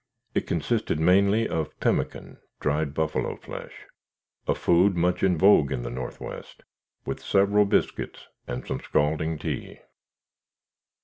It consisted mainly of pemmican (dried buffalo flesh), a food much in vogue in the northwest, with several biscuits and some scalding tea.